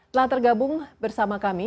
telah tergabung bersama kami